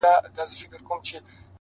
o لوبي وې ـ